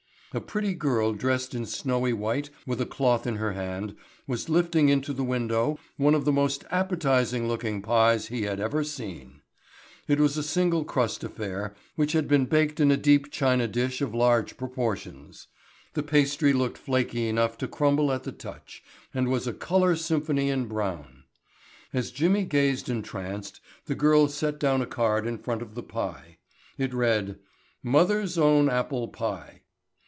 A pretty girl dressed in snowy white with a cloth in her hand was lifting into the window one of the most appetizing looking pies he had ever seen. It was a single crust affair which had been baked in a deep china dish of large proportions. The pastry looked flaky enough to crumble at the touch and was a color symphony in brown. As Jimmy gazed entranced the girl set down a card in front of the pie. It read: "Mother's Own Apple Pie."